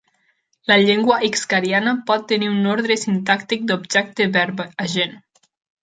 La llengua hixkariana pot tenir un ordre sintàctic d'objecte-verb-agent.